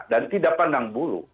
dan tidak pandang bulu